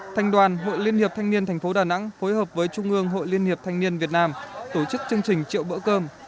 thành đoàn hội liên hiệp thanh niên thành phố đà nẵng phối hợp với trung ương hội liên hiệp thanh niên việt nam tổ chức chương trình triệu bữa cơm